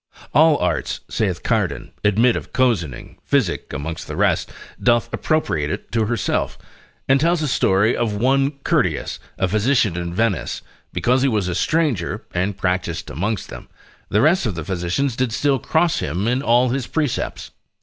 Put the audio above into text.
All arts (saith Cardan) admit of cozening, physic, amongst the rest, doth appropriate it to herself; and tells a story of one Curtius, a physician in Venice: because he was a stranger, and practised amongst them, the rest of the physicians did still cross him in all his precepts.